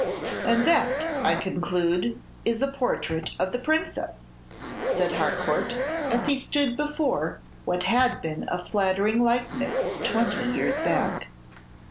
"And that, I conclude, is a portrait of the Princess," said Harcourt, as he stood before what had been a flattering likeness twenty years back.